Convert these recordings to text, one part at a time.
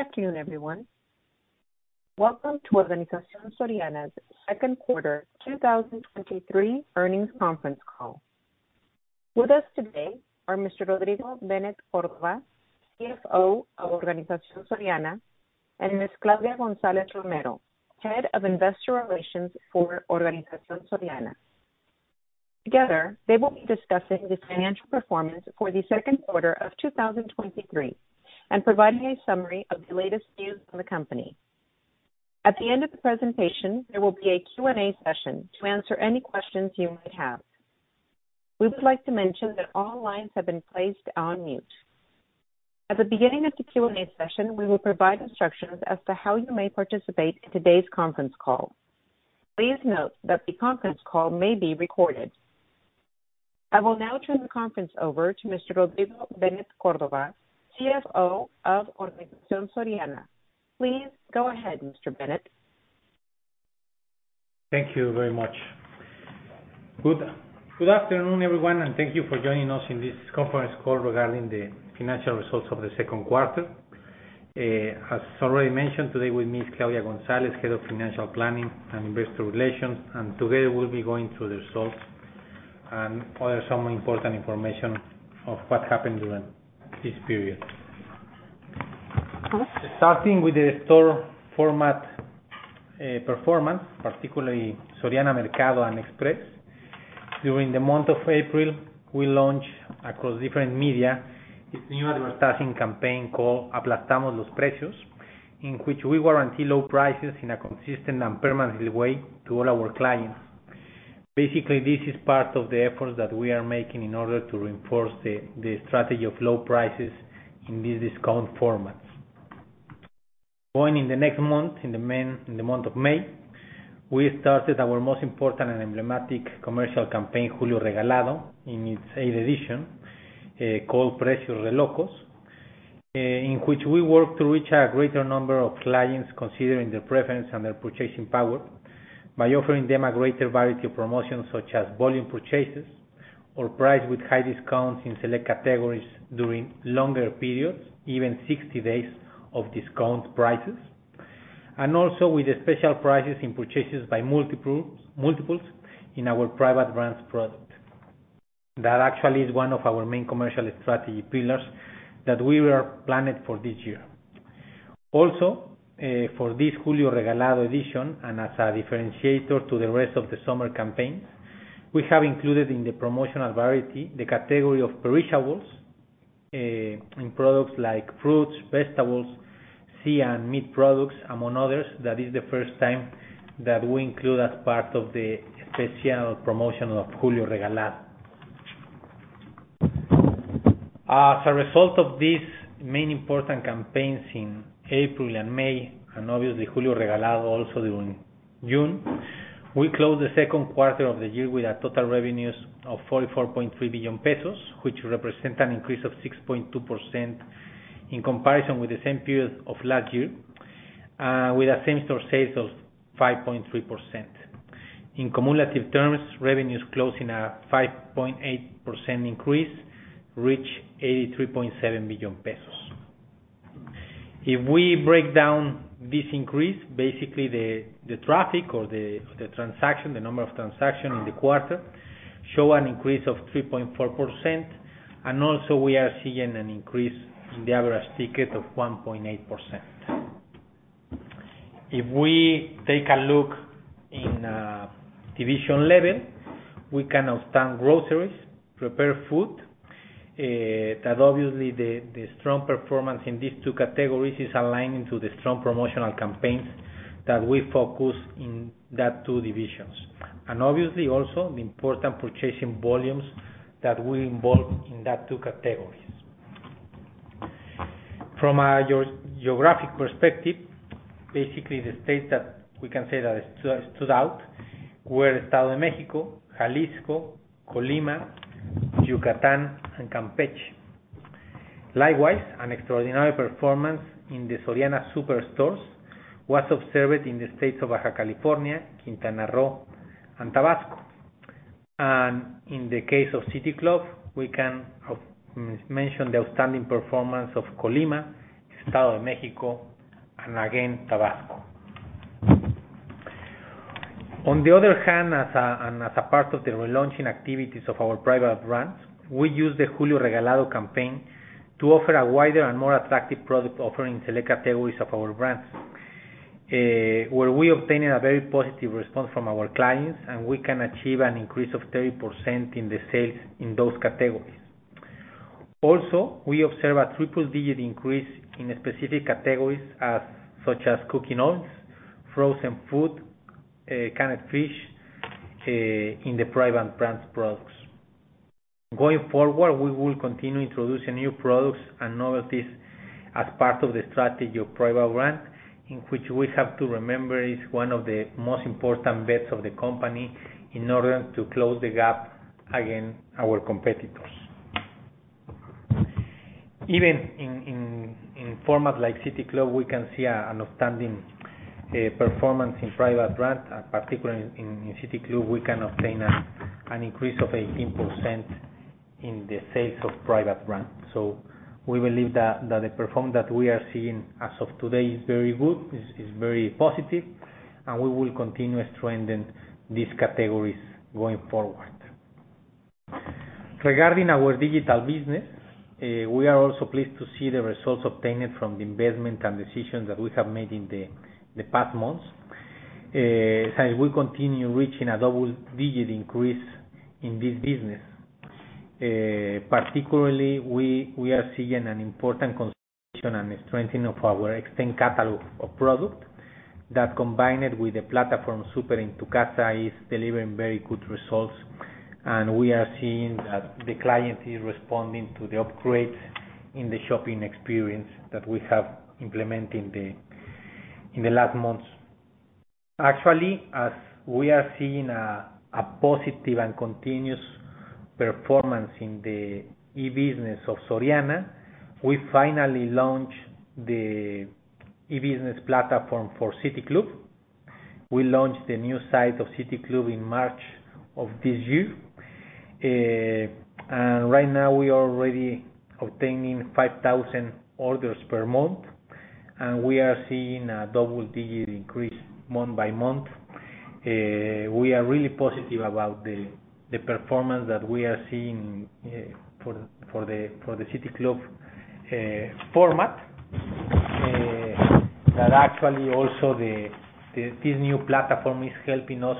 Good afternoon, everyone. Welcome to Organización Soriana's Second Quarter 2023 Earnings Conference Call. With us today are Mr. Rodrigo Benet Córdova, CFO of Organización Soriana, and Ms. Claudia González Romero, Head of Investor Relations for Organización Soriana. Together, they will be discussing the financial performance for the second quarter of 2023, and providing a summary of the latest news for the company. At the end of the presentation, there will be a Q&A session to answer any questions you might have. We would like to mention that all lines have been placed on mute. At the beginning of the Q&A session, we will provide instructions as to how you may participate in today's conference call. Please note that the conference call may be recorded. I will now turn the conference over to Mr. Rodrigo Benet Cordova, CFO of Organización Soriana. Please go ahead, Mr. Benet. Thank you very much. Good, good afternoon, everyone, and thank you for joining us in this conference call regarding the financial results of the second quarter. As already mentioned, today with me is Claudia González, Head of Financial Planning and Investor Relations, and together we'll be going through the results and other some important information of what happened during this period. Starting with the store format, performance, particularly Soriana Mercado and Express. During the month of April, we launched across different media, its new advertising campaign called Aplastamos los Precios, in which we guarantee low prices in a consistent and permanent way to all our clients. Basically, this is part of the efforts that we are making in order to reinforce the strategy of low prices in these discount formats. Going in the next month, in the month of May, we started our most important and emblematic commercial campaign, Julio Regalado, in its 8h edition, called Precios de Locos. In which we work to reach a greater number of clients, considering their preference and their purchasing power, by offering them a greater variety of promotions, such as volume purchases or price with high discounts in select categories during longer periods, even 60 days of discount prices. Also with the special prices in purchases by multiples in our private brands product. That actually is one of our main commercial strategy pillars that we were planned for this year. Also, for this Julio Regalado edition, and as a differentiator to the rest of the summer campaigns, we have included in the promotional variety, the category of perishables, in products like fruits, vegetables, sea and meat products, among others. That is the first time that we include as part of the special promotion of Julio Regalado. As a result of these main important campaigns in April and May, and obviously Julio Regalado also during June, we closed the second quarter of the year with our total revenues of 44.3 billion pesos, which represent an increase of 6.2% in comparison with the same period of last year, with a same-store sales of 5.3%. In cumulative terms, revenues closing a 5.8% increase, reach 83.7 billion pesos. If we break down this increase, basically the traffic or the transaction, the number of transactions in the quarter, show an increase of 3.4%, and also we are seeing an increase in the average ticket of 1.8%. If we take a look in division level, we can understand groceries, prepared food, that obviously the strong performance in these two categories is aligning to the strong promotional campaigns that we focus in that two divisions. Obviously also the important purchasing volumes that we involve in that two categories. From a geographic perspective, basically the states that we can say that stood out were Estado de Mexico, Jalisco, Colima, Yucatán and Campeche. Likewise, an extraordinary performance in the Soriana Súper stores was observed in the states of Baja California, Quintana Roo and Tabasco. In the case of City Club, we can mention the outstanding performance of Colima, Estado de Mexico and again, Tabasco. On the other hand, as a part of the relaunching activities of our private brands, we used the Julio Regalado campaign to offer a wider and more attractive product offering in select categories of our brands. Where we obtained a very positive response from our clients, we can achieve an increase of 30% in the sales in those categories. We observe a triple digit increase in specific categories, such as cooking oils, frozen food, canned fish, in the private brands products. Going forward, we will continue introducing new products and novelties as part of the strategy of private brand, in which we have to remember is one of the most important bets of the company in order to close the gap against our competitors. Even in formats like City Club, we can see an outstanding performance in private brand, and particularly in City Club, we can obtain an increase of 18% in the sales of private brand. We believe that the performance that we are seeing as of today is very good, is very positive, and we will continue strengthening these categories going forward. Regarding our digital business, we are also pleased to see the results obtained from the investment and decisions that we have made in the past months. As we continue reaching a double-digit increase in this business, particularly, we are seeing an important consolidation and strengthening of our extend catalog of product, that combined with the platform Súper en Casa, is delivering very good results. We are seeing that the client is responding to the upgrade in the shopping experience that we have implemented in the last months. Actually, as we are seeing a positive and continuous performance in the e-business of Soriana, we finally launched the e-business platform for City Club. We launched the new site of City Club in March of this year. Right now, we are already obtaining 5,000 orders per month, and we are seeing a double-digit increase month by month. We are really positive about the performance that we are seeing for the City Club format. That actually, also this new platform is helping us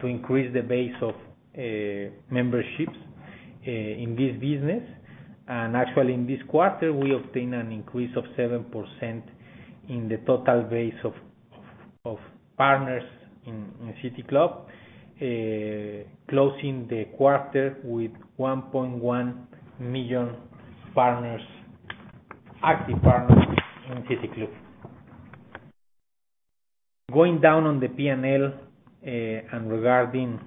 to increase the base of memberships in this business. Actually, in this quarter, we obtained an increase of 7% in the total base of partners in City Club, closing the quarter with 1.1 million partners, active partners in City Club. Going down on the P&L, regarding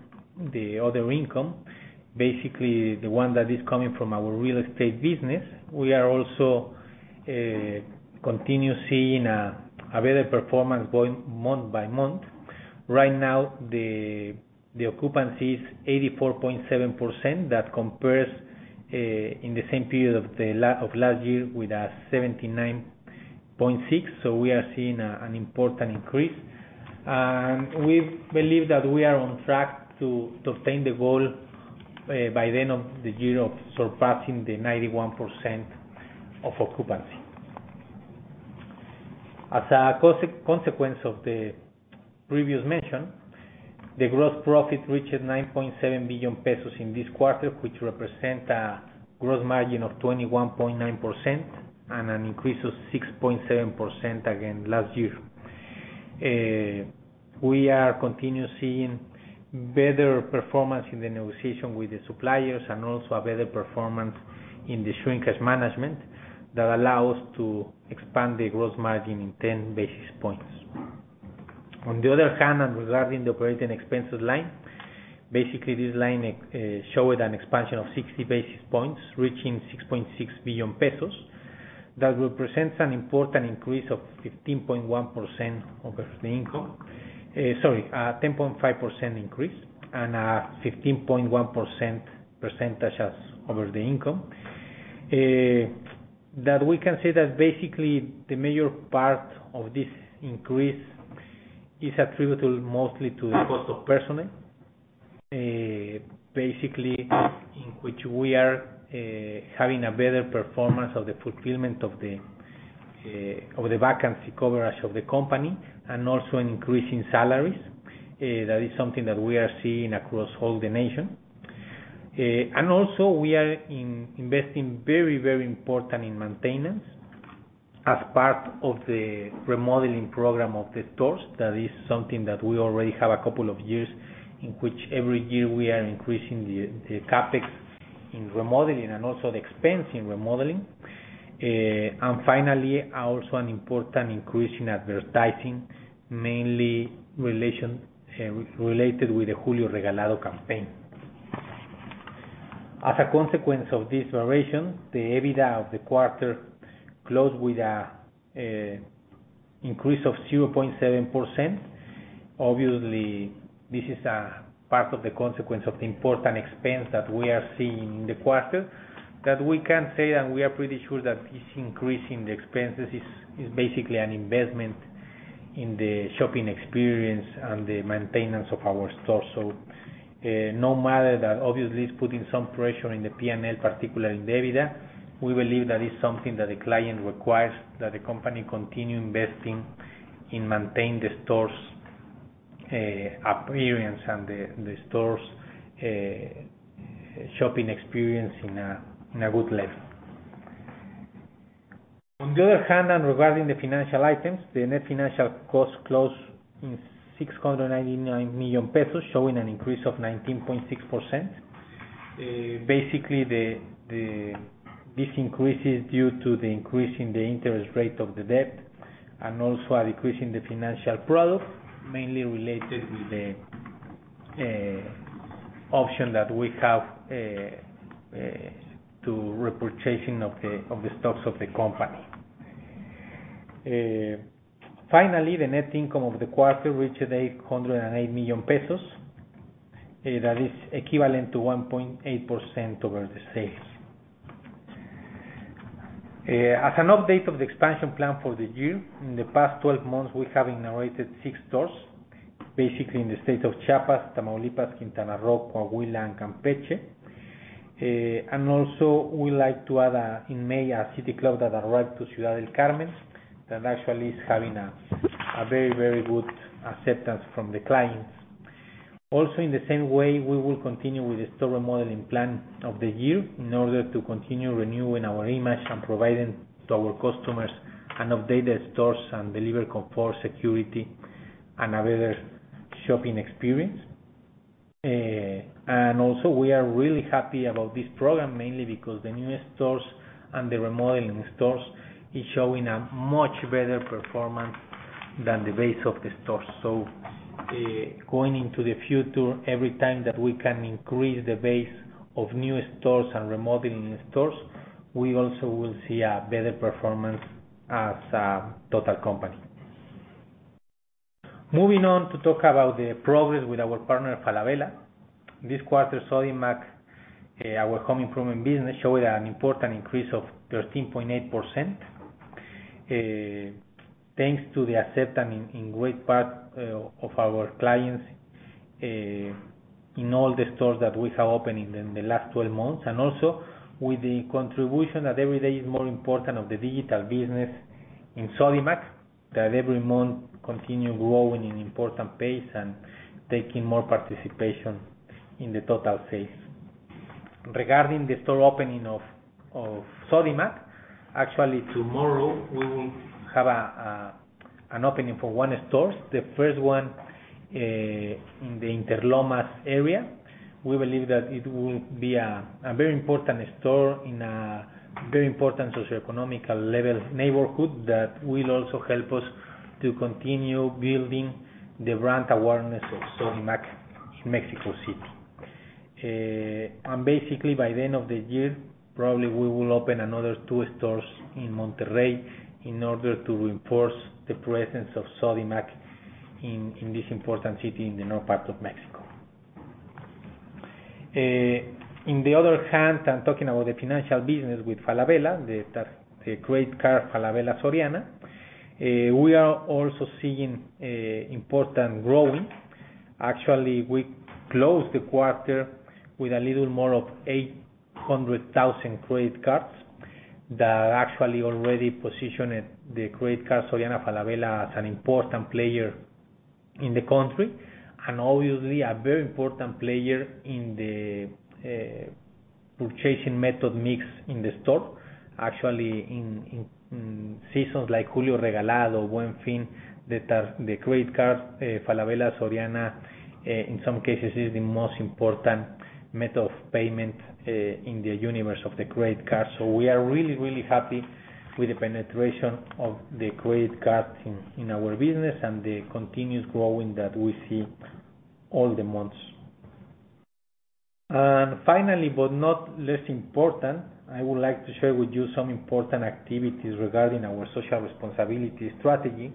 the other income, basically, the one that is coming from our real estate business, we are also continue seeing a better performance going month by month. Right now, the occupancy is 84.7%. That compares in the same period of last year with 79.6. We are seeing an important increase. We believe that we are on track to obtain the goal by the end of the year of surpassing the 91% of occupancy. As a consequence of the previous mention, the gross profit reached 9.7 billion pesos in this quarter, which represent a gross margin of 21.9% and an increase of 6.7% again last year. We are continuing seeing better performance in the negotiation with the suppliers and also a better performance in the shrinkage management that allow us to expand the gross margin in 10 basis points. On the other hand, regarding the operating expenses line, basically, this line showed an expansion of 60 basis points, reaching 6.6 billion pesos. That represents an important increase of 15.1% over the income, sorry, a 10.5% increase and a 15.1% percentage as over the income. That we can say that basically, the major part of this increase is attributable mostly to the cost of personnel, basically, in which we are having a better performance of the fulfillment of the vacancy coverage of the company and also an increase in salaries. That is something that we are seeing across all the nation. Also we are investing very, very important in maintenance as part of the remodeling program of the stores. That is something that we already have a couple of years, in which every year we are increasing the CapEx in remodeling and also the expense in remodeling. Finally, also an important increase in advertising, mainly related with the Julio Regalado campaign. As a consequence of this variation, the EBITDA of the quarter closed with an increase of 0.7%. Obviously, this is a part of the consequence of the important expense that we are seeing in the quarter, that we can say, and we are pretty sure that this increase in the expenses is basically an investment in the shopping experience and the maintenance of our stores. No matter that, obviously, it's putting some pressure in the P&L, particularly in EBITDA, we believe that is something that the client requires, that the company continue investing in maintain the stores, appearance and the stores, shopping experience in a, in a good level. On the other hand, regarding the financial items, the net financial cost closed in 699 million pesos, showing an increase of 19.6%. Basically, this increase is due to the increase in the interest rate of the debt and also a decrease in the financial product, mainly related with the option that we have to repurchasing of the stocks of the company. Finally, the net income of the quarter reached 808 million pesos, that is equivalent to 1.8% over the sales. As an update of the expansion plan for the year, in the past 12 months, we have inaugurated six stores, basically in the state of Chiapas, Tamaulipas, Quintana Roo, Coahuila, and Campeche. Also we like to add, in May, a City Club that arrived to Ciudad del Carmen, that actually is having a very, very good acceptance from the clients. Also, in the same way, we will continue with the store remodeling plan of the year in order to continue renewing our image and providing to our customers an updated stores and deliver comfort, security, and a better shopping experience. Also, we are really happy about this program, mainly because the new stores and the remodeling stores is showing a much better performance than the base of the stores. Going into the future, every time that we can increase the base of new stores and remodeling stores, we also will see a better performance as a total company. Moving on to talk about the progress with our partner, Falabella. This quarter, Sodimac, our home improvement business, showed an important increase of 13.8%, thanks to the acceptance in great part of our clients in all the stores that we have opened in the last 12 months, and also with the contribution that every day is more important of the digital business in Sodimac, that every month continue growing in important pace and taking more participation in the total sales. Regarding the store opening of Sodimac, actually, tomorrow, we will have an opening for 1 stores, the first one, in the Interlomas area. We believe that it will be a very important store in a very important socioeconomical level neighborhood that will also help us to continue building the brand awareness of Sodimac in Mexico City. Basically, by the end of the year, probably we will open another two stores in Monterrey in order to reinforce the presence of Sodimac in this important city in the north part of Mexico. In the other hand, I'm talking about the financial business with Falabella, the credit card, Falabella Soriana. We are also seeing important growth. Actually, we closed the quarter with a little more of 800,000 credit cards that actually already positioned the credit card, Soriana Falabella, as an important player in the country, and obviously a very important player in the purchasing method mix in the store. Actually, in seasons like Julio Regalado, Buen Fin, the credit card, Falabella Soriana, in some cases, is the most important method of payment in the universe of the credit card. We are really, really happy with the penetration of the credit card in our business and the continued growing that we see all the months. Finally, but not less important, I would like to share with you some important activities regarding our social responsibility strategy,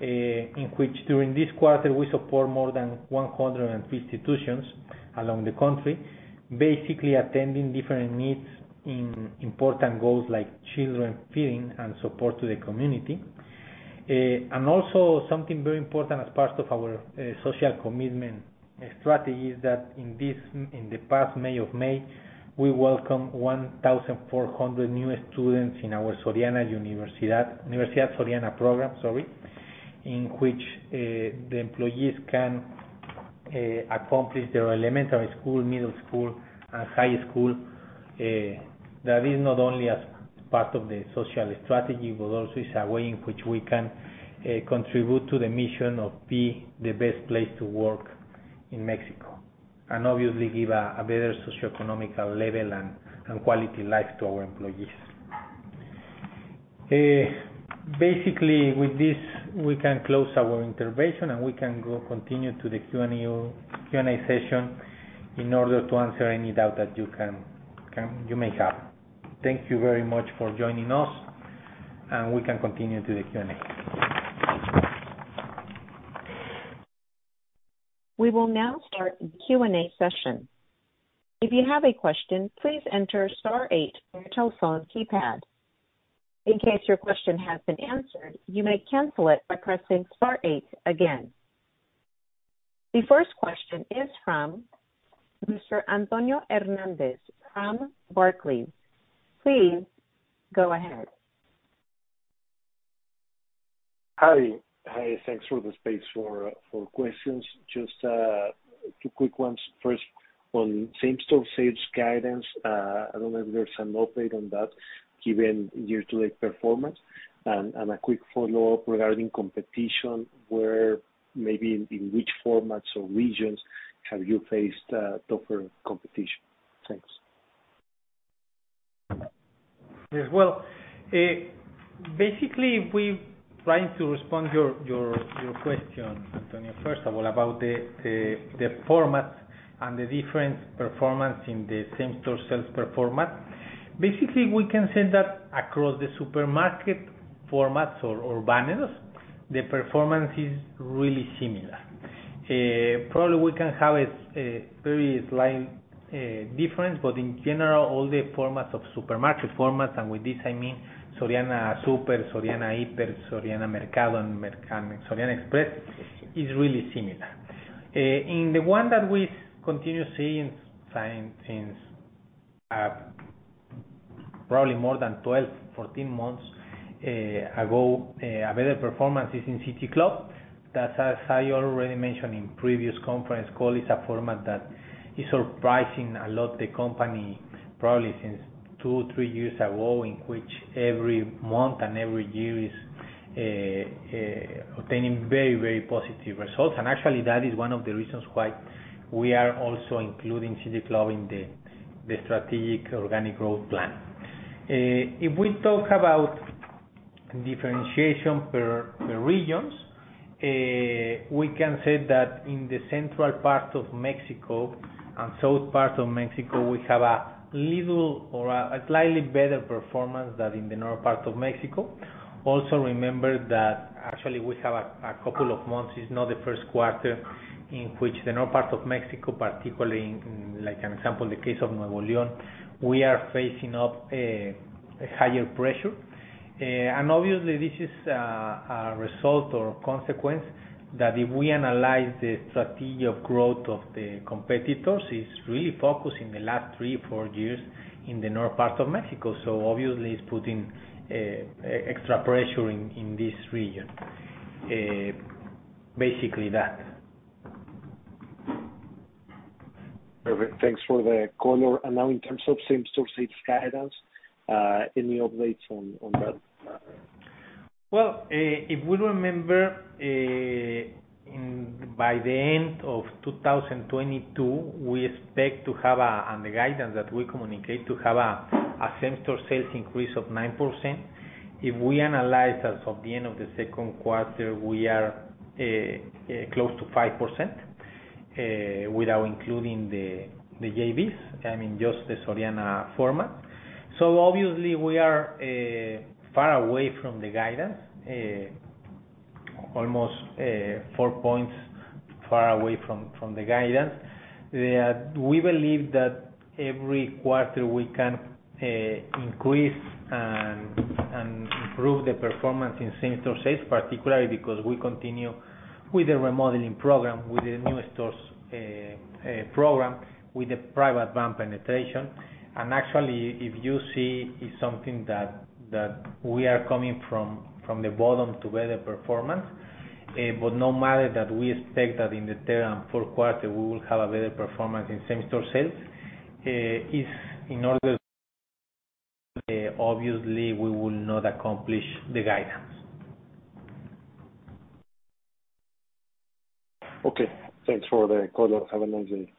in which, during this quarter, we support more than 100 institutions along the country, basically attending different needs in important goals like children feeding and support to the community. Also something very important as part of our social commitment strategy is that in this past May, of May, we welcome 1,400 new students in our Universidad Soriana program, sorry, in which the employees can accomplish their elementary school, middle school, and high school. That is not only as part of the social strategy, but also it's a way in which we can contribute to the mission of be the best place to work in Mexico, and obviously give a better socioeconomic level and quality life to our employees. Basically, with this, we can close our intervention, and we can go continue to the Q&A session in order to answer any doubt that you can, you may have. Thank you very much for joining us, and we can continue to the Q&A. We will now start the Q&A session. If you have a question, please enter star 8 on your telephone keypad. In case your question has been answered, you may cancel it by pressing star 8 again. The first question is from Mr. Antonio Hernández from Barclays. Please go ahead. Hi. Hi, thanks for the space for questions. Just two quick ones. First, on same-store sales guidance, I don't know if there's an update on that given year-to-date performance. A quick follow-up regarding competition, where maybe in which formats or regions have you faced tougher competition? Thanks. Yes. Well, basically, we trying to respond your question, Antonio, first of all, about the format and the different performance in the same-store sales performance. Basically, we can say that across the supermarket formats or banners, the performance is really similar. Probably we can have a very slight difference, but in general, all the formats of supermarket formats, and with this I mean Soriana Súper, Soriana Híper, Soriana Mercado, and Soriana Express, is really similar. The one that we continue seeing, finding things, probably more than 12, 14 months ago, a better performance is in City Club. That's as I already mentioned in previous conference call, it's a format that is surprising a lot the company, probably since 2, 3 years ago, in which every month and every year is obtaining very, very positive results. Actually, that is one of the reasons why we are also including City Club in the strategic organic growth plan. If we talk about differentiation per regions, we can say that in the central part of Mexico and south part of Mexico, we have a little or a slightly better performance than in the north part of Mexico. Also, remember that actually we have a couple of months, it's not the first quarter, in which the north part of Mexico, particularly in, like, an example, the case of Nuevo León, we are facing up a higher pressure. Obviously, this is a result or a consequence that if we analyze the strategic growth of the competitors, it's really focused in the last three, four years in the north part of Mexico. Obviously, it's putting extra pressure in this region. Basically that. Perfect. Thanks for the color. Now in terms of same-store sales guidance, any updates on that? Well, if we remember, in by the end of 2022, we expect to have a same-store sales increase of 9%. If we analyze as of the end of the second quarter, we are close to 5%, without including the JVs, I mean, just the Soriana format. Obviously, we are far away from the guidance, almost four points far away from the guidance. We believe that every quarter we can increase and improve the performance in same-store sales, particularly because we continue with the remodeling program, with the new stores program, with the private brand penetration. Actually, if you see, it's something that we are coming from the bottom to better performance. No matter that, we expect that in the third and fourth quarter, we will have a better performance in same-store sales. If in order, obviously we will not accomplish the guidance. Okay, thanks for the color. Have a nice day.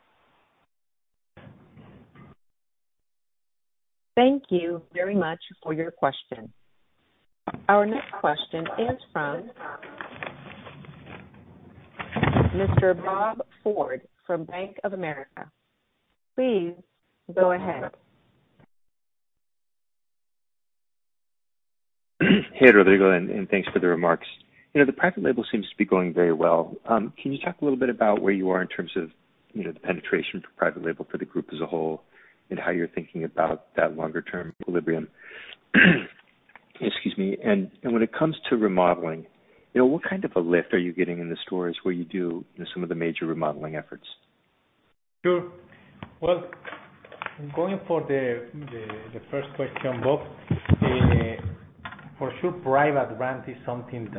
Thank you very much for your question. Our next question is from Mr. Bob Ford from Bank of America. Please go ahead. Hey, Rodrigo, thanks for the remarks. You know, the private label seems to be going very well. Can you talk a little bit about where you are in terms of, you know, the penetration for private label for the group as a whole, and how you're thinking about that longer term equilibrium? Excuse me. When it comes to remodeling, you know, what kind of a lift are you getting in the stores where you do some of the major remodeling efforts? Sure. Well, going for the first question, Bob, for sure, private brand is something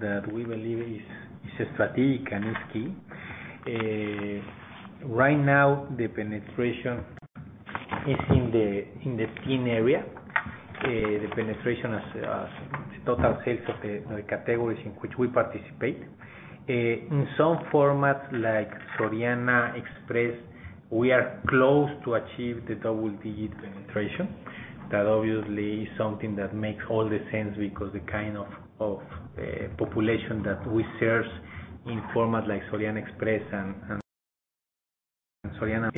that we believe is strategic and is key. Right now, the penetration is in the skin area, the penetration as the total sales of the categories in which we participate. In some formats, like Soriana Express, we are close to achieve the double-digit penetration. That obviously is something that makes all the sense, because the kind of population that we serve in format like Soriana Express and Soriana,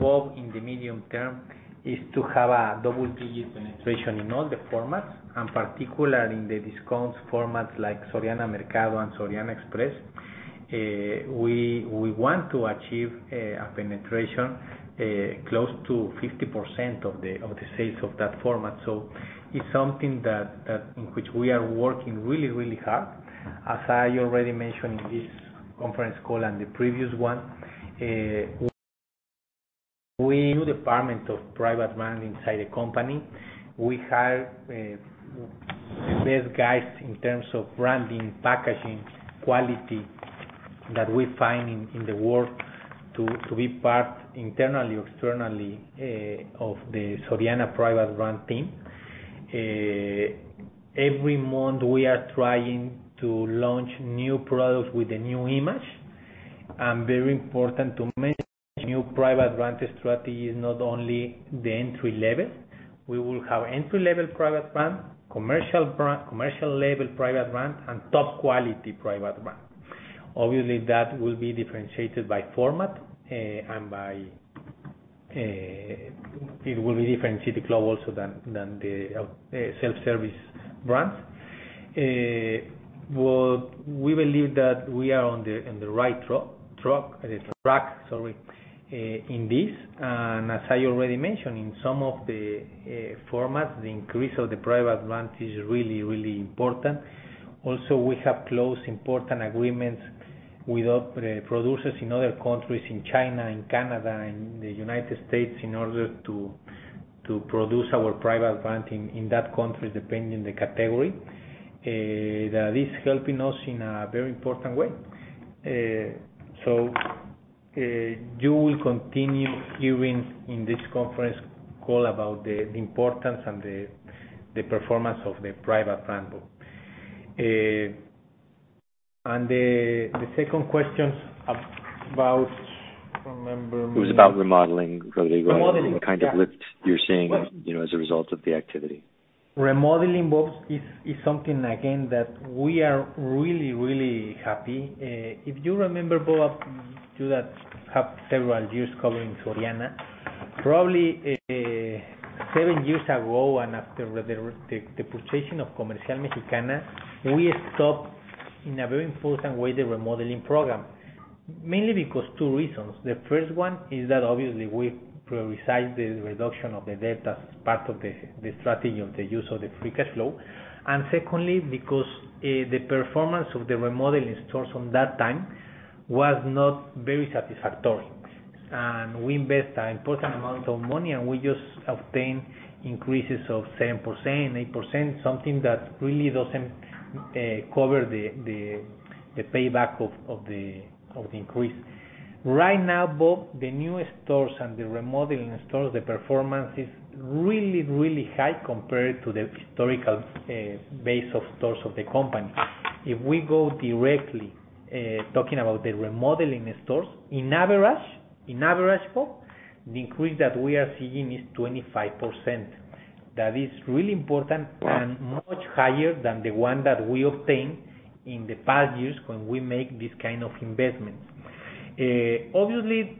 Bob, in the medium term, is to have a double-digit penetration in all the formats, and particularly in the discount formats like Soriana Mercado and Soriana Express. We want to achieve a penetration close to 50% of the sales of that format. It's something that in which we are working really, really hard. As I already mentioned in this conference call and the previous one, we, new department of private brand inside the company, we hire the best guys in terms of branding, packaging, quality that we find in the world to be part internally, externally, of the Soriana private brand team. Every month we are trying to launch new products with a new image. Very important to mention, new private brand strategy is not only the entry level. We will have entry level private brand, commercial brand, commercial label private brand, and top quality private brand. Obviously, that will be differentiated by format, and by, it will be differentiated global so than the self-service brands. Well, we believe that we are on the right truck, track, sorry, in this. As I already mentioned, in some of the formats, the increase of the private brand is really important. Also, we have close important agreements with other producers in other countries, in China, in Canada, in the United States, in order to produce our private brand in that country, depending the category. That is helping us in a very important way. You will continue hearing in this conference call about the importance and the performance of the private brand book. The second question about, remember me? It was about remodeling, Rodrigo. Remodeling. The kind of lift you're seeing, you know, as a result of the activity. Remodeling, Bob, is something again, that we are really happy. If you remember, Bob, you that have several years covering Soriana, probably, 7 years ago, after the purchasing of Comercial Mexicana, we stopped in a very important way, the remodeling program. Mainly because 2 reasons: The first one is that obviously we prioritize the reduction of the debt as part of the strategy of the use of the free cash flow. Secondly, because the performance of the remodeling stores from that time was not very satisfactory. We invest an important amount of money, and we just obtain increases of 7%, 8%, something that really doesn't cover the payback of the increase. Right now, Bob, the new stores and the remodeling stores, the performance is really, really high compared to the historical base of stores of the company. We go directly talking about the remodeling stores, in average, Bob, the increase that we are seeing is 25%. That is really important and much higher than the one that we obtained in the past years when we make this kind of investments. Obviously,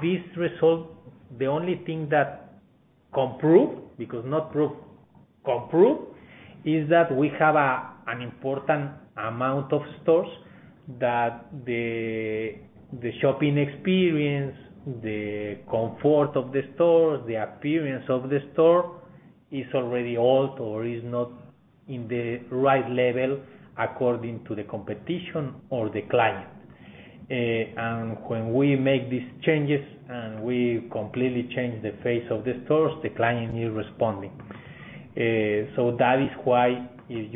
this result, the only thing that can prove, because not prove, can prove, is that we have an important amount of stores that the shopping experience, the comfort of the store, the appearance of the store, is already old or is not in the right level according to the competition or the client. When we make these changes and we completely change the face of the stores, the client is responding. That is why if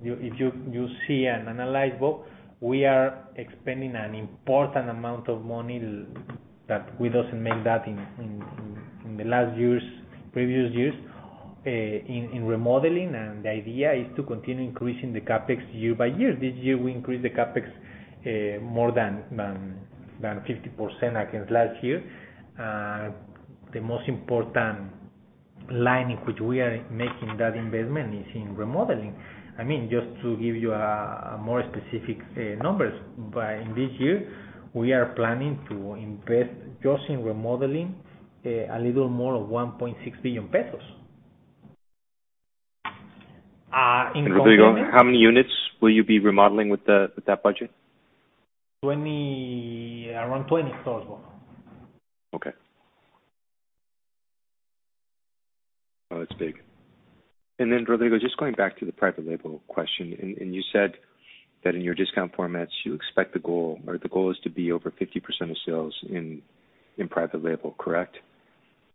you see and analyze, Bob, we are expanding an important amount of money that we doesn't make that in the last years, previous years, in remodeling, and the idea is to continue increasing the CapEx year by year. This year, we increased the CapEx more than 50% against last year. The most important line in which we are making that investment is in remodeling. I mean, just to give you a more specific numbers, in this year, we are planning to invest just in remodeling a little more of 1.6 billion pesos. Rodrigo, how many units will you be remodeling with the, with that budget? 20, around 20 stores, Bob. Okay. Well, that's big. Rodrigo, just going back to the private label question, and you said that in your discount formats, you expect the goal or the goal is to be over 50% of sales in private label, correct? Yes.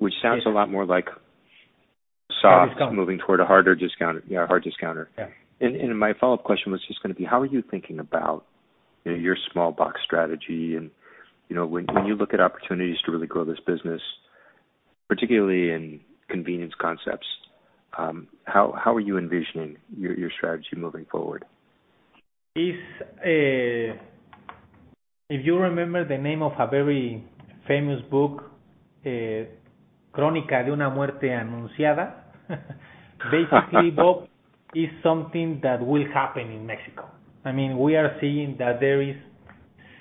Which sounds a lot more like. Discount. moving toward a harder discounter. Yeah, a hard discounter. Yeah. My follow-up question was just gonna be, how are you thinking about, you know, your small box strategy and, you know, when you look at opportunities to really grow this business, particularly in convenience concepts, how are you envisioning your strategy moving forward? It's, if you remember the name of a very famous book, Crónica de una muerte anunciada. Basically, Bob, it's something that will happen in Mexico. I mean, we are seeing that there is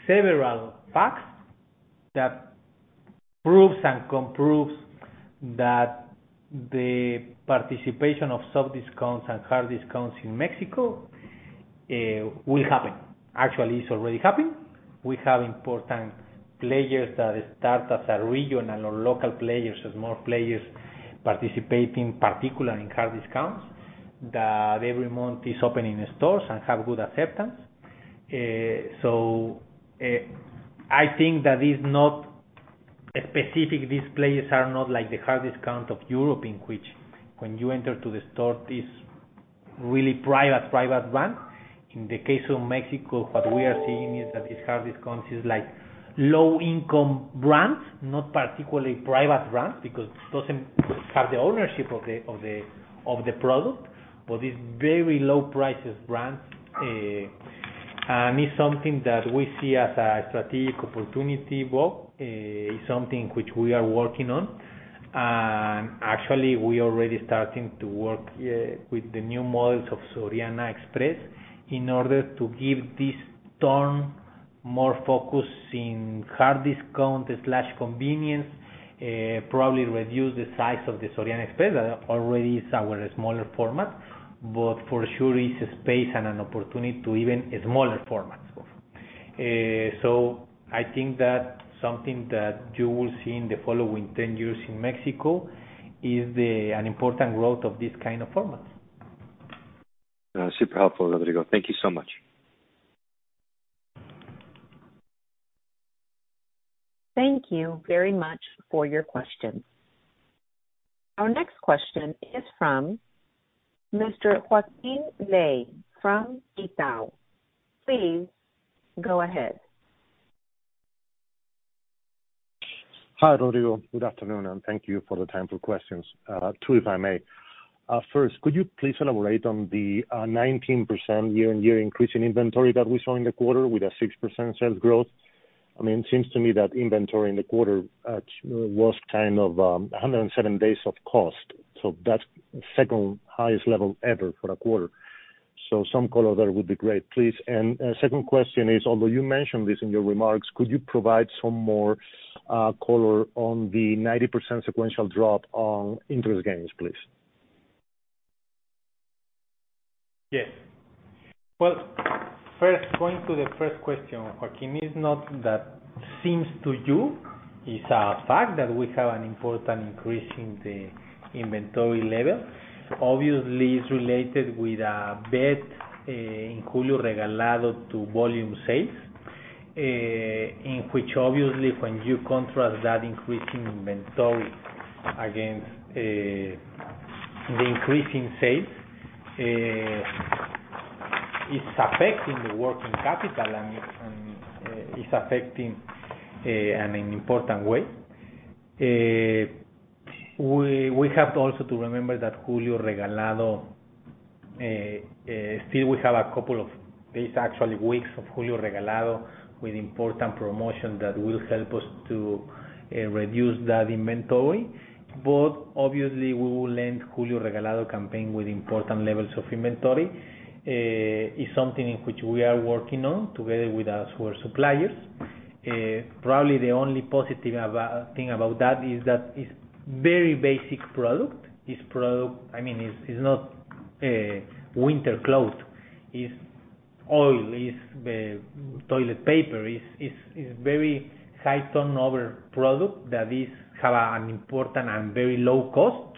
several facts that proves and comproves that the participation of soft discounts and hard discounts in Mexico, will happen. Actually, it's already happening. We have important players that start as a regional or local players, as more players participate, in particular in hard discounts, that every month is opening stores and have good acceptance. I think that is not a specific, these players are not like the hard discount of Europe, in which when you enter to the store, it's really private brand. In the case of Mexico, what we are seeing is that these hard discounts is like low-income brands, not particularly private brands, because it doesn't have the ownership of the, of the, of the product, but it's very low prices brands. It's something that we see as a strategic opportunity, but something which we are working on. Actually, we already starting to work with the new models of Soriana Express in order to give this turn more focus in hard discount/convenience, probably reduce the size of the Soriana Express, that already is our smaller format. For sure, it's a space and an opportunity to even a smaller format. I think that something that you will see in the following 10 years in Mexico is an important growth of this kind of formats. Super helpful, Rodrigo. Thank you so much. Thank you very much for your question. Our next question is from Mr. Joaquín Ley from Itaú. Please go ahead. Hi, Rodrigo. Good afternoon, and thank you for the time for questions. Two, if I may. First, could you please elaborate on the 19% year-on-year increase in inventory that we saw in the quarter with a 6% sales growth? I mean, it seems to me that inventory in the quarter was kind of 107 days of cost, so that's second highest level ever for a quarter. Some color there would be great, please. A second question is, although you mentioned this in your remarks, could you provide some more color on the 90% sequential drop on interest gains, please? Yes. Well, first, going to the first question, Joaquín, is not that seems to you, it's a fact that we have an important increase in the inventory level. Obviously, it's related with a bet, in Julio Regalado to volume sales, in which obviously, when you contrast that increase in inventory against, the increase in sales, it's affecting the working capital and it, and it's affecting, in an important way. We have to also to remember that Julio Regalado, still we have a couple of days, actually, weeks of Julio Regalado, with important promotion that will help us to, reduce that inventory. Obviously, we will end Julio Regalado campaign with important levels of inventory. It's something in which we are working on together with our suppliers. Probably the only positive thing about that is that it's very basic product. It's product. I mean, it's not winter clothes. It's oil, it's toilet paper. It's very high turnover product that is, have an important and very low cost,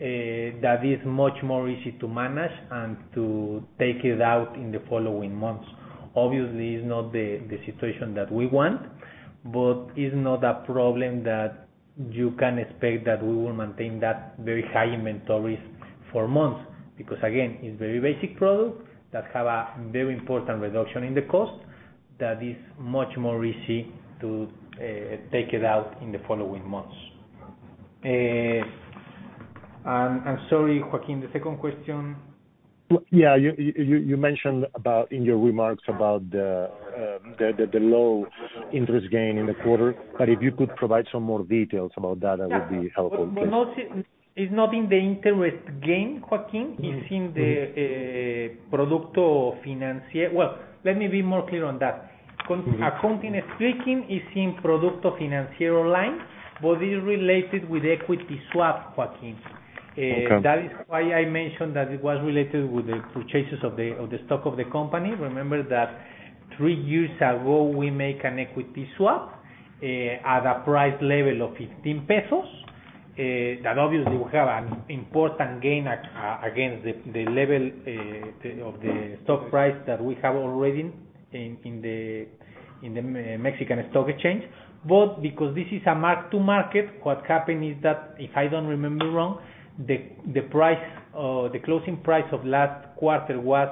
that is much more easy to manage and to take it out in the following months. Obviously, it's not the situation that we want, but it's not a problem that you can expect that we will maintain that very high inventories for months. Because, again, it's very basic products that have a very important reduction in the cost, that is much more easy to take it out in the following months. Sorry, Joaquín, the second question? Yeah. You mentioned about, in your remarks about the low interest gain in the quarter, but if you could provide some more details about that would be helpful. Yeah. Not in, it's not in the interest gain, Joaquín. Mm-hmm. It's in the producto financiero. Well, let me be more clear on that. Mm-hmm. Speaking, it's in producto financiero line, but it's related with equity swap, Joaquín. Okay. That is why I mentioned that it was related with the purchases of the stock of the company. Remember that three years ago, we make an equity swap at a price level of 15 pesos, that obviously we have an important gain against the level of the stock price that we have already in the Mexican Stock Exchange. Because this is a mark to market, what happened is that, if I don't remember wrong, the price, the closing price of last quarter was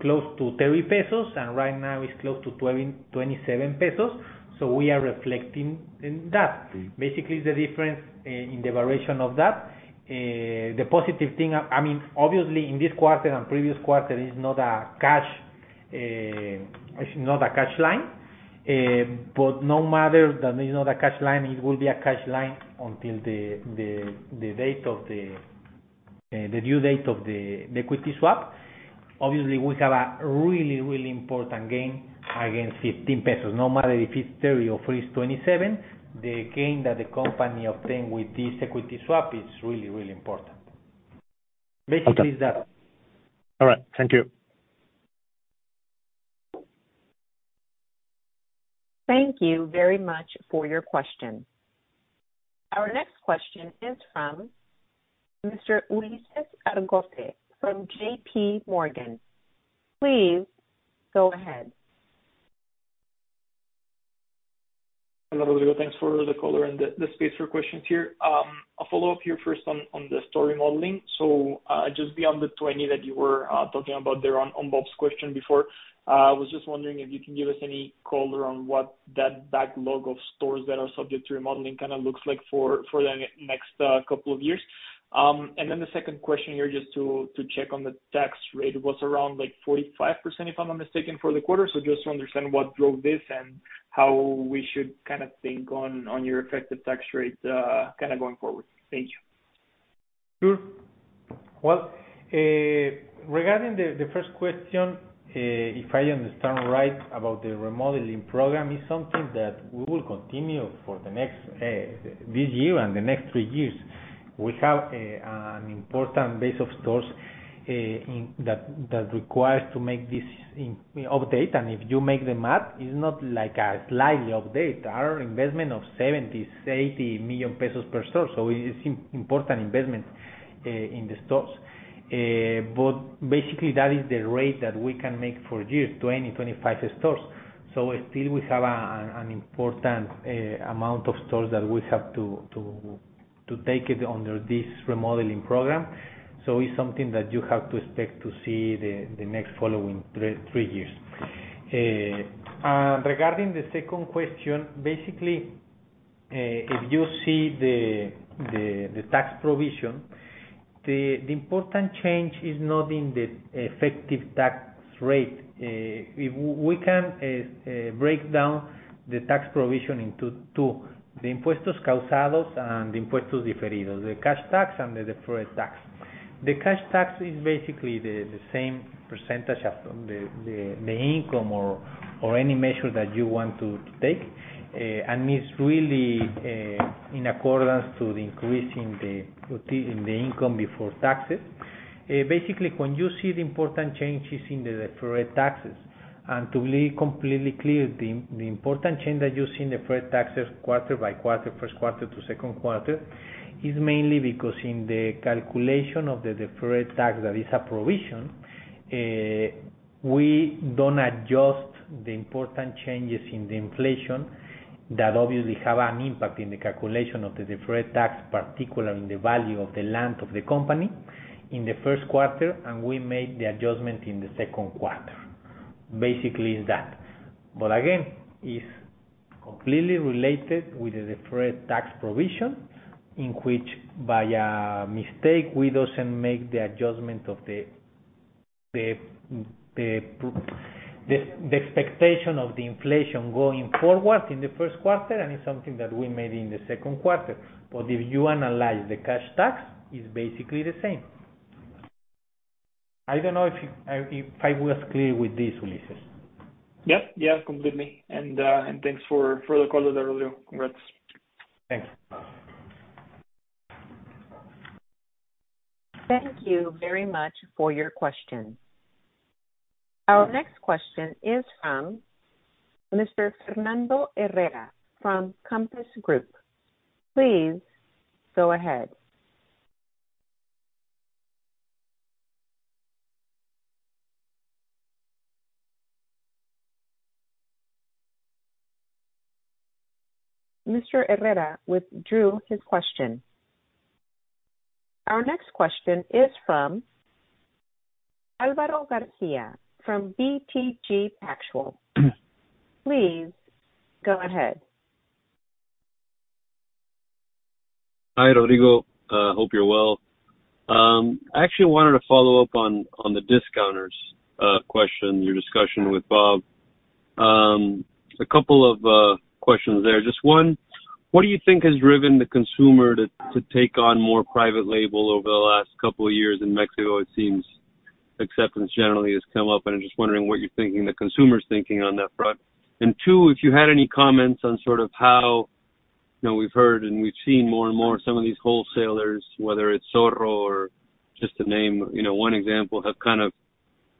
close to 30 pesos, and right now it's close to 27 pesos. We are reflecting in that. Mm. Basically, the difference in the variation of that, the positive thing... I mean obviously, in this quarter and previous quarter, it's not a cash, it's not a cash line. but no matter that it's not a cash line, it will be a cash line until the date of the due date of the equity swap. Obviously, we have a really, really important gain against 15 pesos. No matter if it's 30 or if it's 27, the gain that the company obtained with this equity swap is really, really important. Okay. Basically, is that. All right. Thank you. Thank you very much for your question. Our next question is from Mr. Ulises Argote from JPMorgan. Please go ahead. Hello, Rodrigo. Thanks for the call and the space for questions here. A follow-up here first on the store remodeling. Just beyond the 20 that you were talking about there on Bob's question before, I was just wondering if you can give us any color on what that backlog of stores that are subject to remodeling kind of looks like for the next couple of years? The second question here, just to check on the tax rate, it was around like 45%, if I'm not mistaken, for the quarter. Just to understand what drove this and how we should kind of think on your effective tax rate kind of going forward. Thank you. Sure. Well, regarding the first question, if I understand right about the remodeling program, is something that we will continue for the next this year and the next 3 years. We have an important base of stores in that requires to make this update. If you make the math, it's not like a slight update, our investment of 70 million-80 million pesos per store, so it is important investment in the stores. Basically, that is the rate that we can make per year, 20-25 stores. Still we have an important amount of stores that we have to take it under this remodeling program. It's something that you have to expect to see the next following three years. Regarding the second question, basically, if you see the tax provision, the important change is not in the effective tax rate. We can break down the tax provision into two: the impuestos causados and the impuestos diferidos, the cash tax and the deferred tax. The cash tax is basically the same percentage as the income or any measure that you want to take, and it's really in accordance to the increase in the income before taxes. Basically, when you see the important changes in the deferred taxes, and to be completely clear, the important change that you see in deferred taxes quarter by quarter, first quarter to second quarter, is mainly because in the calculation of the deferred tax, that is a provision, we don't adjust the important changes in the inflation that obviously have an impact in the calculation of the deferred tax, particularly in the value of the land of the company in the first quarter, and we made the adjustment in the second quarter. Basically, it's that. Again, it's completely related with the deferred tax provision, in which, by a mistake, we doesn't make the adjustment of the expectation of the inflation going forward in the first quarter, and it's something that we made in the second quarter. If you analyze the cash tax, it's basically the same. I don't know if I was clear with this, Ulises? Yep, yeah, completely. Thanks for the call, Rodrigo. Congrats. Thanks. Thank you very much for your question. Our next question is from Mr. Fernando Herrera from Compass Group. Please go ahead. Mr. Herrera withdrew his question. Our next question is from Álvaro García from BTG Pactual. Please go ahead. Hi, Rodrigo. Hope you're well. I actually wanted to follow up on the discounters question, your discussion with Bob. A couple of questions there. Just one, what do you think has driven the consumer to take on more private label over the last couple of years? In Mexico, it seems acceptance generally has come up, and I'm just wondering what you're thinking, the consumer's thinking on that front. Two, if you had any comments on sort of how, you know, we've heard and we've seen more and more some of these wholesalers, whether it's Zorro or just to name, you know, one example, have kind of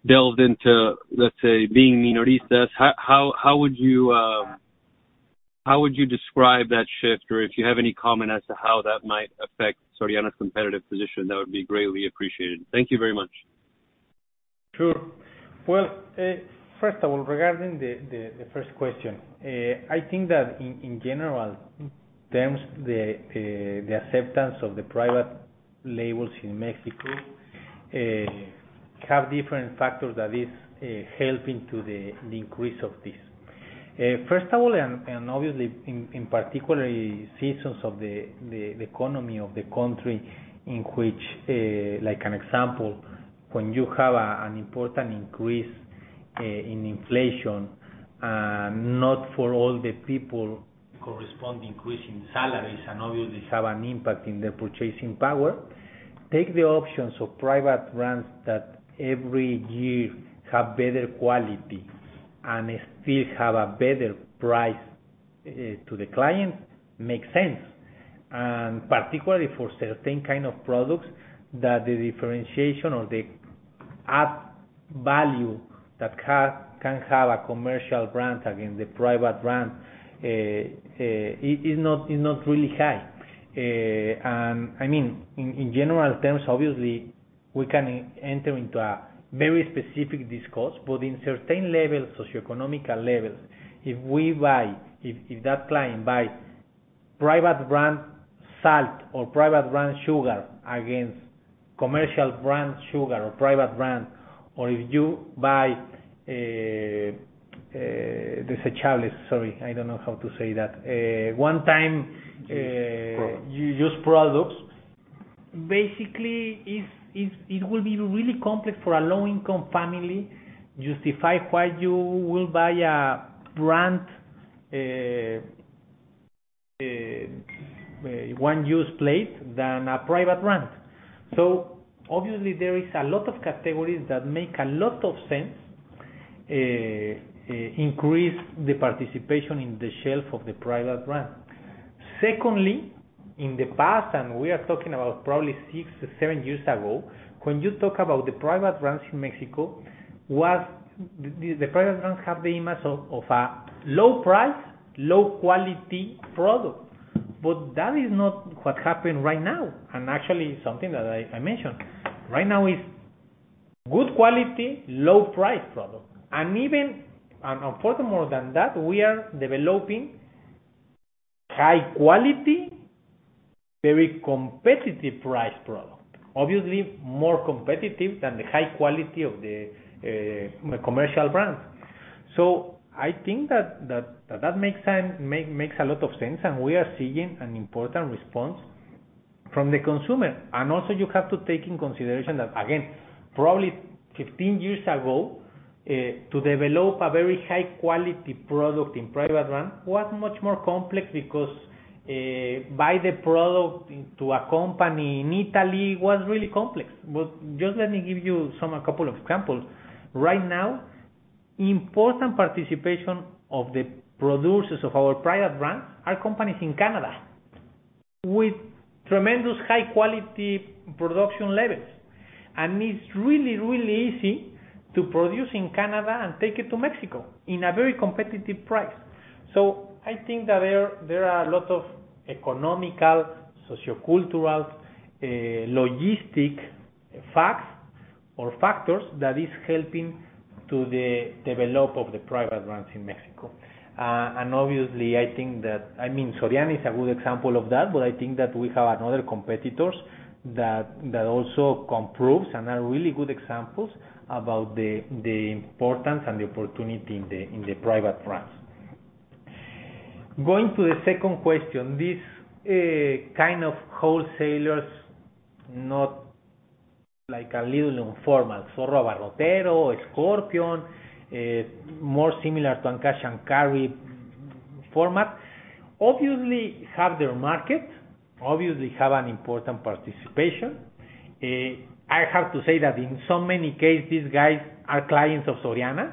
delved into, let's say, being minoristas. How would you describe that shift? If you have any comment as to how that might affect Soriana's competitive position, that would be greatly appreciated. Thank you very much. Sure. Well, first of all, regarding the first question, I think that in general terms, the acceptance of the private labels in Mexico have different factors that is helping to the increase of this. First of all, and obviously in particular, seasons of the economy of the country in which, like an example, when you have an important increase in inflation, and not for all the people correspond increase in salaries and obviously have an impact in their purchasing power, take the options of private brands that every year have better quality and still have a better price to the client, makes sense. Particularly for certain kind of products that the differentiation or the add value that can have a commercial brand against the private brand is not really high. I mean, in general terms, obviously, we can enter into a very specific discourse, but in certain socioeconomic levels, if we buy, if that client buy private brand salt or private brand sugar against commercial brand sugar or private brand, or if you buy, there's a challenge, sorry, I don't know how to say that. One time, Use product. You use products, Basically, is it will be really complex for a low-income family, justify why you will buy a brand one-use plate than a private brand. Obviously, there is a lot of categories that make a lot of sense, increase the participation in the shelf of the private brand. Secondly, in the past, we are talking about probably six to 7 years ago, when you talk about the private brands in Mexico, was the private brands have the image of a low price, low quality product. That is not what happened right now, actually something that I mentioned. Right now, is good quality, low price product, even, furthermore than that, we are developing high quality, very competitive price product. Obviously, more competitive than the high quality of the commercial brand. I think that makes a lot of sense, and we are seeing an important response from the consumer. Also you have to take in consideration that, again, probably 15 years ago, to develop a very high quality product in private brand, was much more complex because, buy the product into a company in Italy was really complex. Just let me give you a couple of examples. Right now, important participation of the producers of our private brand are companies in Canada, with tremendous high quality production levels. It's really easy to produce in Canada and take it to Mexico in a very competitive price. I think that there are a lot of economical, sociocultural, logistic facts or factors that is helping to the develop of the private brands in Mexico. Obviously, I mean, Soriana is a good example of that, but I think that we have another competitors that also improves and are really good examples about the importance and the opportunity in the private brands. Going to the second question, this kind of wholesalers, not like a little format, Zorro Abarrotero, Scorpion, more similar to a cash and carry format, obviously have their market, obviously have an important participation. I have to say that in so many cases, these guys are clients of Soriana.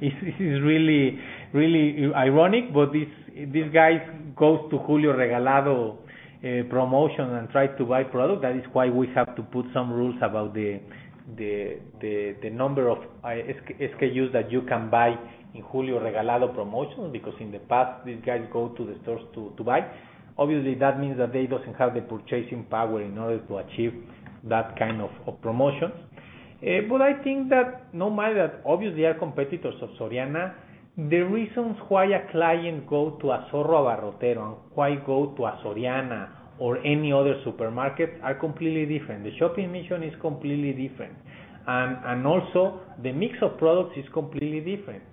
This is really, really ironic. These guys go to Julio Regalado promotion and try to buy product. That is why we have to put some rules about the number of SKUs that you can buy in Julio Regalado promotion, because in the past, these guys go to the stores to buy. Obviously, that means that they doesn't have the purchasing power in order to achieve that kind of promotions. I think that no matter, obviously, they are competitors of Soriana, the reasons why a client go to a Zorro Abarrotero and why go to a Soriana or any other supermarket, are completely different. The shopping mission is completely different. Also the mix of products is completely different.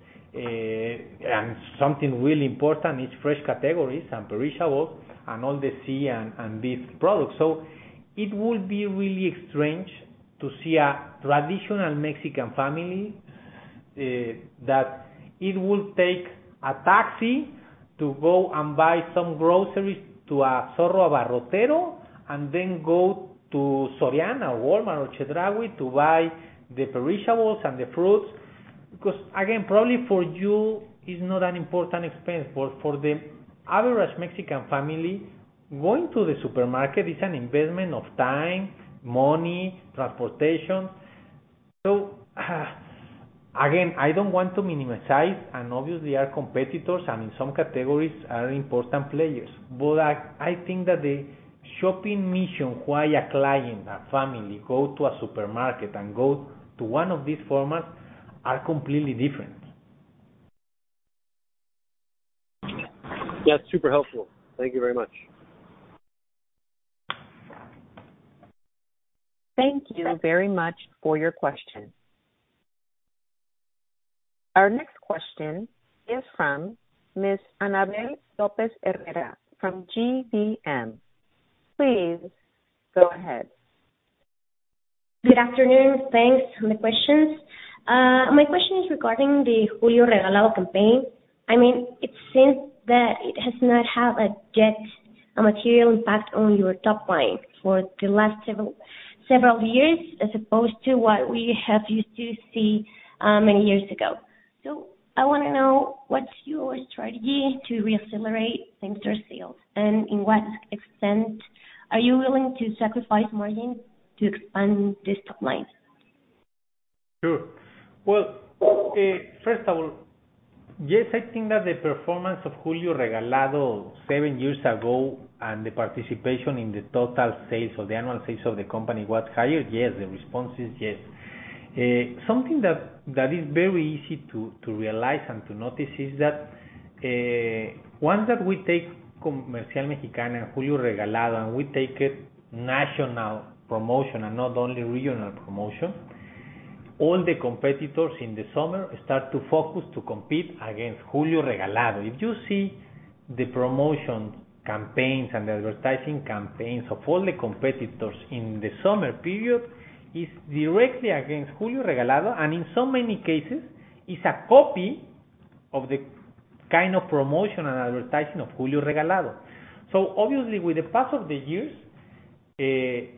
Something really important, is fresh categories and perishable and all the sea and beef products. It would be really strange to see a traditional Mexican family, that it would take a taxi to go and buy some groceries to a Zorro Abarrotero, and then go to Soriana or Walmart or Chedraui to buy the perishables and the fruits. Again, probably for you, it's not an important expense, but for the average Mexican family, going to the supermarket is an investment of time, money, transportation. Again, I don't want to minimize, and obviously, our competitors, and in some categories are important players. I think that the shopping mission, why a client, a family, go to a supermarket and go to one of these formats, are completely different. That's super helpful. Thank you very much. Thank you very much for your question. Our next question is from Miss Anabel Lopez Herrera, from GBM. Please go ahead. Good afternoon. Thanks for the questions. My question is regarding the Julio Regalado campaign. I mean, it seems that it has not had a material impact on your top line for the last several years, as opposed to what we have used to see many years ago. I wanna know, what's your strategy to reaccelerate same-store sales? In what extent are you willing to sacrifice margin to expand this top line? Sure. First of all, yes, I think that the performance of Julio Regalado 7 years ago, and the participation in the total sales or the annual sales of the company was higher. Yes, the response is yes. Something that is very easy to realize and to notice is that, once that we take Comercial Mexicana, Julio Regalado, and we take it national promotion and not only regional promotion, all the competitors in the summer start to focus to compete against Julio Regalado. If you see the promotion campaigns and the advertising campaigns of all the competitors in the summer period, it's directly against Julio Regalado, and in so many cases, it's a copy of the kind of promotion and advertising of Julio Regalado. Obviously, with the pass of the years, 8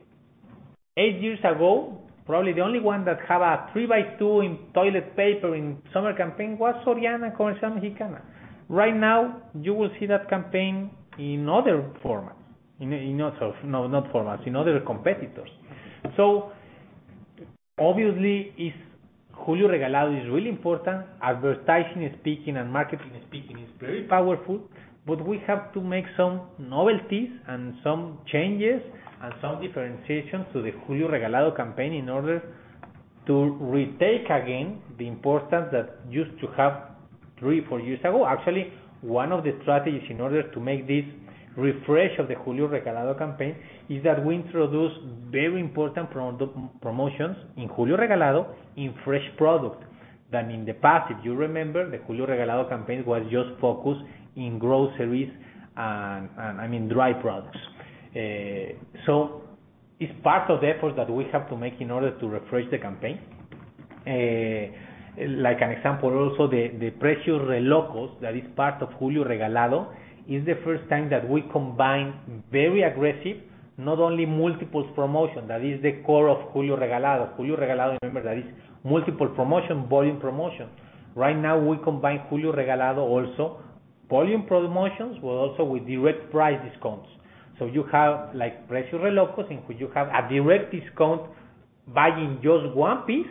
years ago, probably the only one that have a 3 by 2 in toilet paper in summer campaign was Soriana Comercial Mexicana. Right now, you will see that campaign in other competitors. Obviously, Julio Regalado is really important. Advertising speaking and marketing speaking, it's very powerful, but we have to make some novelties and some changes and some differentiations to the Julio Regalado campaign in order to retake again the importance that used to have 3, 4 years ago. Actually, one of the strategies in order to make this refresh of the Julio Regalado campaign, is that we introduce very important promotions in Julio Regalado in fresh products, than in the past. If you remember, the Julio Regalado campaign was just focused in groceries and I mean, dry products. It's part of the effort that we have to make in order to refresh the campaign. Like an example, also, the Precios de Locos, that is part of Julio Regalado, is the first time that we combine very aggressive, not only multiples promotion, that is the core of Julio Regalado. Julio Regalado, remember, that is multiple promotion, volume promotion. Right now, we combine Julio Regalado also, volume promotions, but also with direct price discounts. You have, like, Precios de Locos, in which you have a direct discount buying just one piece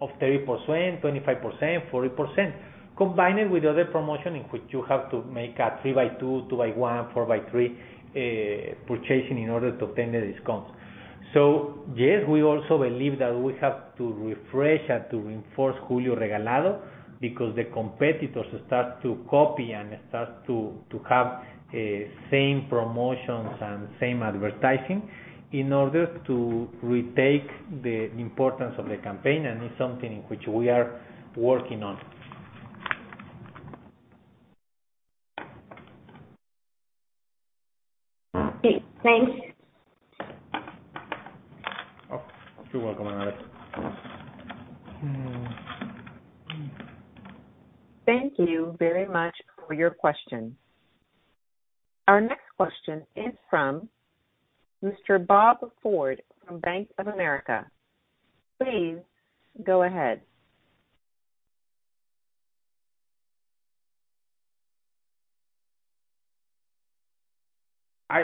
of 30%, 25%, 40%, combined with other promotion in which you have to make a 3 by 2 by 1, 4 by 3, purchasing in order to obtain the discounts. Yes, we also believe that we have to refresh and to reinforce Julio Regalado, because the competitors start to copy and start to have same promotions and same advertising, in order to retake the importance of the campaign, and it's something in which we are working on. Okay, thanks. You're welcome, Maria. Thank you very much for your question. Our next question is from Mr. Bob Ford, from Bank of America. Please go ahead. I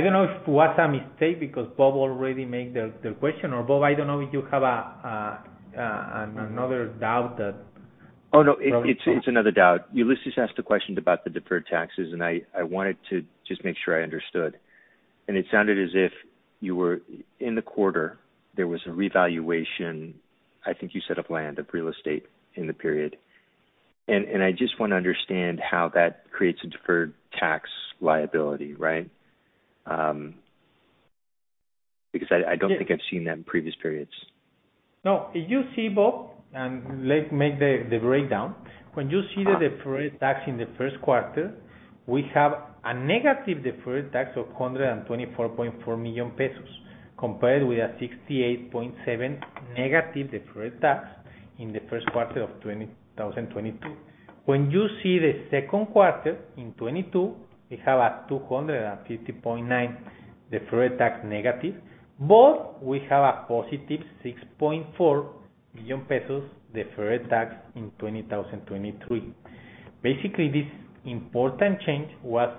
don't know if it was a mistake, because Bob already made the question, or Bob, I don't know if you have another doubt? No, it's another doubt. Ulises asked a question about the deferred taxes, I wanted to just make sure I understood. It sounded as if you were... In the quarter, there was a revaluation, I think you said, of land, of real estate in the period. I just want to understand how that creates a deferred tax liability, right? Because I don't think I've seen that in previous periods. If you see, Bob, let's make the breakdown. When you see the deferred tax in the first quarter, we have a negative deferred tax of 124.4 million pesos, compared with a 68.7 million negative deferred tax in the first quarter of 2022. When you see the second quarter in 2022, we have a 250.9 million deferred tax negative. We have a positive 6.4 million pesos deferred tax in 2023. Basically, this important change was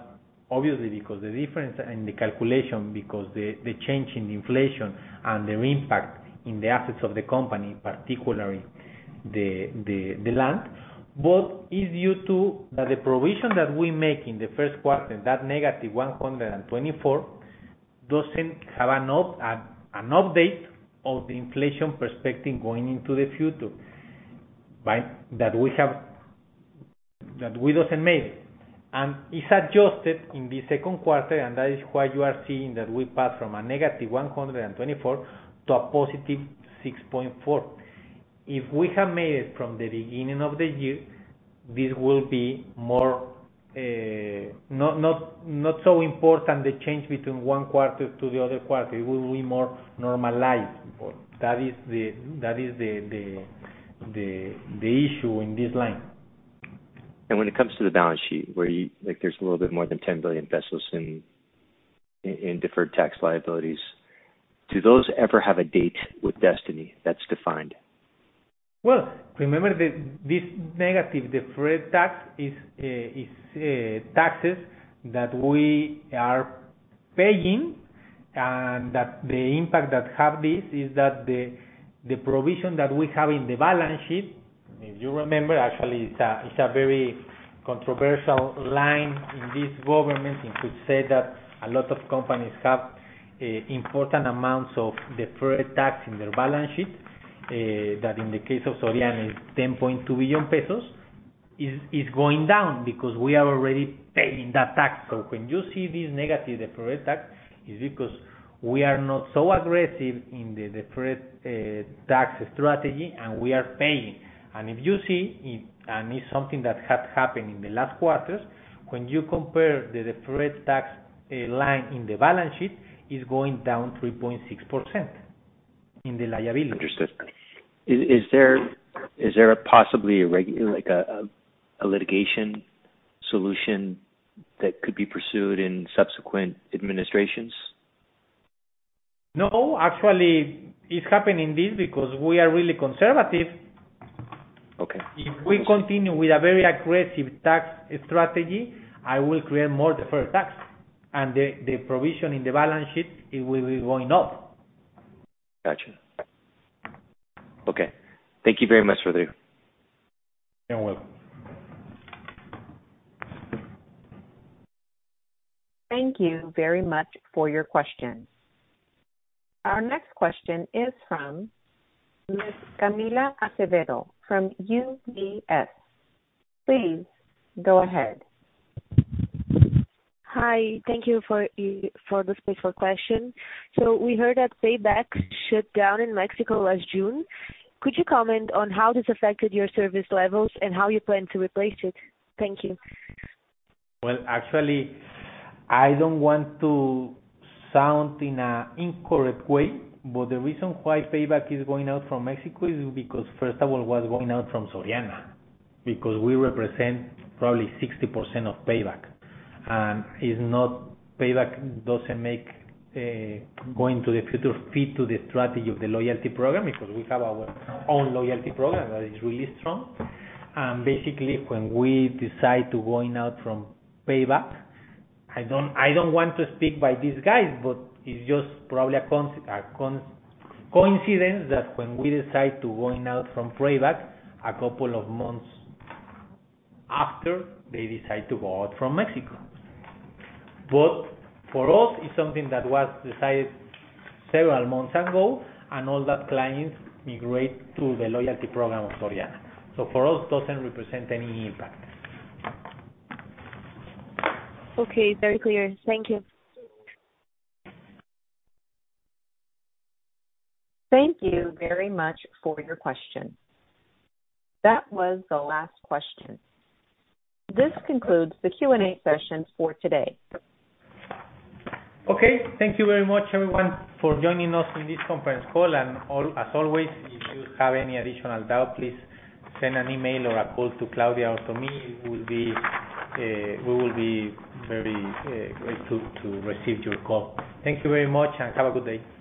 obviously because the difference in the calculation, because the change in inflation and the impact in the assets of the company, particularly the land. It's due to the provision that we make in the first quarter, that negative 124, doesn't have an update of the inflation perspective going into the future, right? That we doesn't make. It's adjusted in the second quarter, and that is why you are seeing that we pass from a negative 124 to a positive 6.4. If we have made it from the beginning of the year, this will be more, not so important, the change between one quarter to the other quarter, it will be more normalized. That is the issue in this line. When it comes to the balance sheet, where, like, there's a little bit more than 10 billion pesos in deferred tax liabilities, do those ever have a date with destiny that's defined? Remember, this negative deferred tax is taxes that we are paying, and that the impact that have this, is that the provision that we have in the balance sheet. If you remember, actually, it's a very controversial line in this government. To say that a lot of companies have important amounts of deferred tax in their balance sheet, that in the case of Soriana is 10.2 billion pesos, is going down because we are already paying that tax. When you see this negative deferred tax, is because we are not so aggressive in the deferred tax strategy, and we are paying. If you see, it, and it's something that has happened in the last quarters, when you compare the deferred tax line in the balance sheet, is going down 3.6% in the liability. Understood. Is there a possibly a like a litigation solution that could be pursued in subsequent administrations? No, actually, it's happening this because we are really conservative. Okay. If we continue with a very aggressive tax strategy, I will create more deferred tax, and the provision in the balance sheet, it will be going up. Gotcha. Okay. Thank you very much, Rodrigo. You're welcome. Thank you very much for your question. Our next question is from Miss Camilla Acevedo, from UBS. Please go ahead. Hi, thank you for for the space for question. We heard that PAYBACK shut down in Mexico last June. Could you comment on how this affected your service levels and how you plan to replace it? Thank you. Actually, I don't want to sound in an incorrect way, but the reason why PAYBACK is going out from Mexico is because, first of all, it was going out from Soriana, because we represent probably 60% of PAYBACK. It's not, PAYBACK doesn't make going to the future fit to the strategy of the loyalty program, because we have our own loyalty program that is really strong. Basically, when we decide to going out from PAYBACK, I don't want to speak by these guys, but it's just probably a coincidence that when we decide to going out from PAYBACK, a couple of months after, they decide to go out from Mexico. For us, it's something that was decided several months ago, and all that clients migrate to the loyalty program of Soriana. For us, doesn't represent any impact. Okay. Very clear. Thank you. Thank you very much for your question. That was the last question. This concludes the Q&A session for today. Okay. Thank you very much, everyone, for joining us in this conference call. As always, if you have any additional doubt, please send an email or a call to Claudia González or to me. We will be very great to receive your call. Thank you very much. Have a good day.